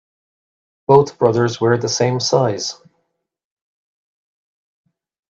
Both brothers wear the same size.